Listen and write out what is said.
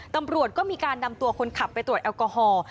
ตำรวจก็มีการนำตัวคนขับไปตรวจแอลกอฮอล์